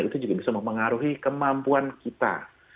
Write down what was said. itu juga bisa mempengaruhi kemampuan kita